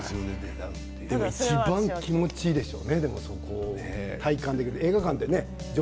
ただ、いちばん気持ちいいでしょう？